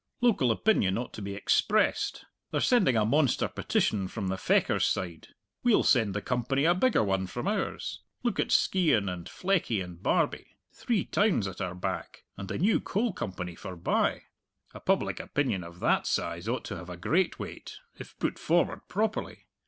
Local opinion ought to be expressed! They're sending a monster petition from the Fechars side; we'll send the Company a bigger one from ours! Look at Skeighan and Fleckie and Barbie three towns at our back, and the new Coal Company forbye! A public opinion of that size ought to have a great weight if put forward properly!